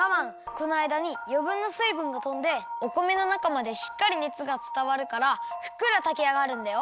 このあいだによぶんなすいぶんがとんでお米のなかまでしっかりねつがつたわるからふっくらたきあがるんだよ。